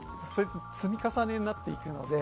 でも、積み重ねになっていくので。